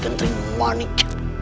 tercinta raih genteri manik